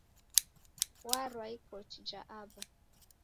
Warwa ikoti ja aba